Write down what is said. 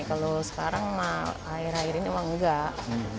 kalau sekarang mah akhir akhir ini emang enggak